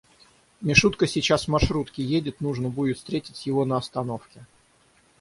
Мишутка сейчас в маршрутке едет, нужно будет встретить его на остановке.